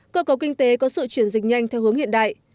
cơ cấu kinh tế có sự chuyển dịch nhanh theo hướng hiện đại